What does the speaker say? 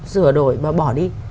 sửa đổi và bỏ đi